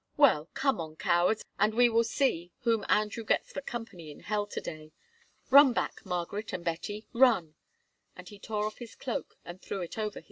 "Well, come on, cowards, and we will see whom Andrew gets for company in hell to day. Run back, Margaret and Betty—run." And he tore off his cloak and threw it over his left arm.